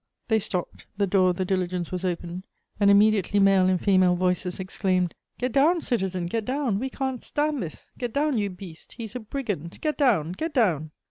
They stopped, the door of the diligence was opened, and immediately male and female voices exclaimed: "Get down, citizen, get down! We can't stand this! Get down, you beast! He's a brigand! Get down, get down!"